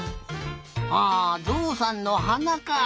あぞうさんのはなかあ。